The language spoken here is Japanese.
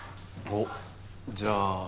おっじゃありく！